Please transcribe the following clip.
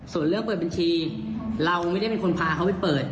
ส่วนเรื่องเปิดบัญชีเราไม่ได้เป็นคนพาเขาไปเปิด